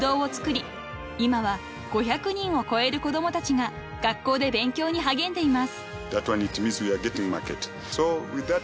今は５００人を超える子供たちが学校で勉強に励んでいます］